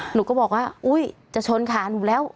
หนูก็บอกว่าอุ๊ยจะชนขาหนูแล้ว